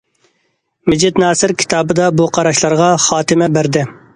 مىجىت ناسىر كىتابىدا بۇ قاراشلارغا خاتىمە بەردى.